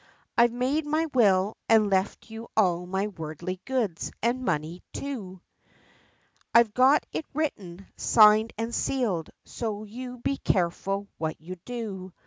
I've made my will, and left you all my worldly goods, and money, too; I've got it written, signed and sealed, so you be careful what you do!'